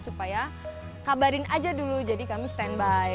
supaya kabarin aja dulu jadi kami standby